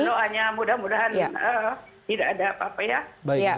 doanya mudah mudahan tidak ada apa apa ya